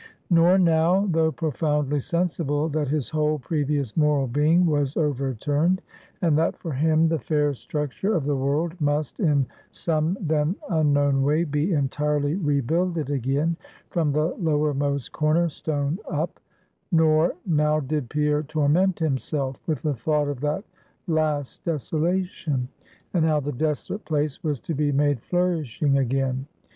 Nor now, though profoundly sensible that his whole previous moral being was overturned, and that for him the fair structure of the world must, in some then unknown way, be entirely rebuilded again, from the lowermost corner stone up; nor now did Pierre torment himself with the thought of that last desolation; and how the desolate place was to be made flourishing again.